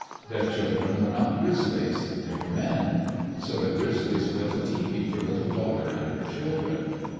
Their children were not Grizzlies. They were men. So the Grizzlies built a tepee for Little Daughter and her children.